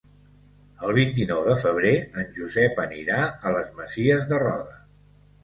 El vint-i-nou de febrer en Josep anirà a les Masies de Roda.